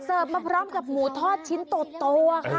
เสิร์ฟมาพร้อมกับหมูทอดชิ้นโต๊ะค่ะ